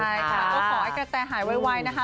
ขอให้กะแตหายไวนะคะ